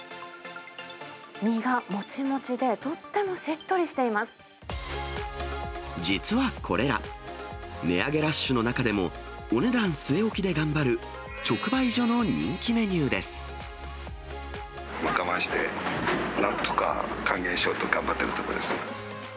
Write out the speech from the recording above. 身がもちもちで、とってもし実はこれら、値上げラッシュの中でも、お値段据え置きで頑張る直売所の人気メ我慢して、なんとか還元しようと頑張ってるところです。